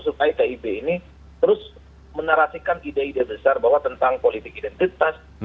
supaya kib ini terus menarasikan ide ide besar bahwa tentang politik identitas